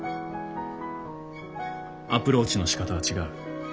アプローチのしかたは違う。